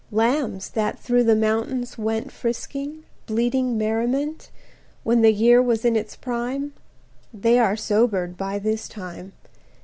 Lambs, that through the mountains went Frisking, bleating merriment, When the year was in its prime, They are sobered by this time.